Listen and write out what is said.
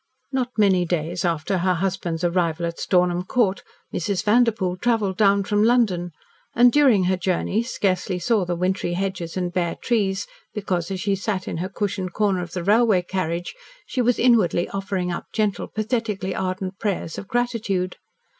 Not many days after her husband's arrival at Stornham Court, Mrs. Vanderpoel travelled down from London, and, during her journey, scarcely saw the wintry hedges and bare trees, because, as she sat in her cushioned corner of the railway carriage, she was inwardly offering up gentle, pathetically ardent prayers of gratitude.